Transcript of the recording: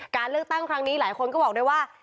การเลือกตั้งครั้งนี้หลายคนก็บอกด้วยว่า